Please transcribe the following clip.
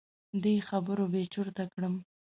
دې خبرو بې چرته کړم.